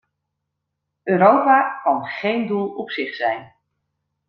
Europa kan geen doel op zich zijn.